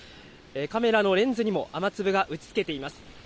カメラのレンズにも雨粒が打ちつけています。